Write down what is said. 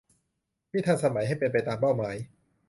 ที่ทันสมัยให้เป็นไปตามเป้าหมาย